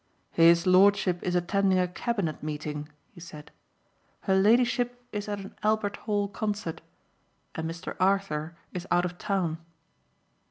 "His Lordship is attending a cabinet meeting," he said. "Her Ladyship is at an Albert Hall concert and Mr. Arthur is out of town."